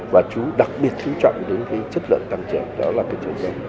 và đặc biệt chúng chọn đến cái chất lượng tăng trưởng đó là cái chiều rộng